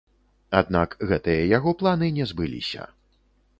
Аднак гэтыя яго планы не збыліся.